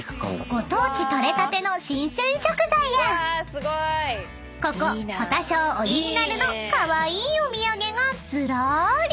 ［ご当地取れたての新鮮食材やここ保田小オリジナルのカワイイお土産がずらーり］